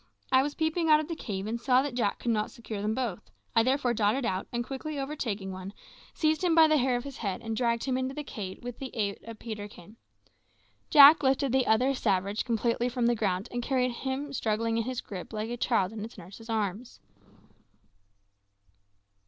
I was peeping out of the cave, and saw that Jack could not secure them both; I therefore darted out, and quickly overtaking one, seized him by the hair of the head and dragged him into the cave with the aid of Peterkin. Jack lifted the other savage completely from the ground, and carried him in struggling in his gripe like a child in its nurse's arms.